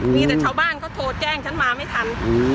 มีแต่ชาวบ้านเขาโทรแจ้งฉันมาไม่ทัน